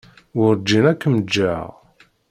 Werǧin ad kem-ǧǧeɣ.